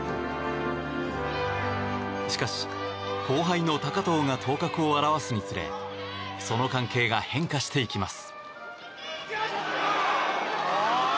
しかし、後輩の高藤が頭角を現すにつれその関係が変化していきます。